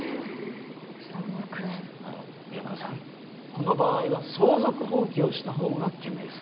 この場合は相続放棄をした方が賢明です